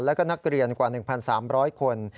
แล้วก็นักเรียนกว่า๑๓๐๐คน